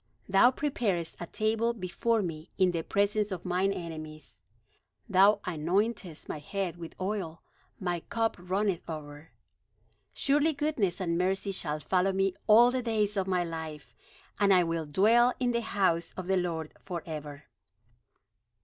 Thou preparest a table before me in the presence of mine enemies; Thou anointest my head with oil; my cup runneth over. Surely goodness and mercy shall follow me all the days of my life: And I will dwell in the house of the Lord forever."